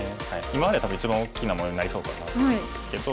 今までで多分一番大きな模様になりそうかなと思うんですけど。